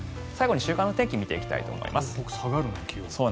最後に週間の天気を見ていきたいと思います。